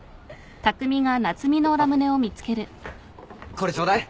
これちょうだい。